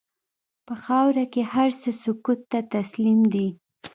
په خاوره کې هر څه سکوت ته تسلیم دي.